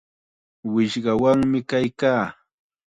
Wishqawanmi kaykaa.